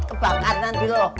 kebakaran nanti lo